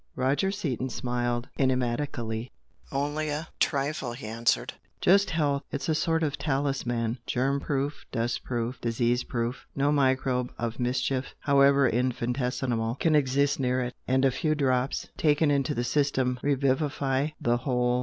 Roger Seaton smiled enigmatically. "Only a trifle" he answered "Just health! It's a sort of talisman; germ proof, dust proof, disease proof! No microbe of mischief, however infinitesimal, can exist near it, and a few drops, taken into the system, revivify the whole."